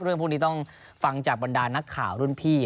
เรื่องพวกนี้ต้องฟังจากบรรดานักข่าวรุ่นพี่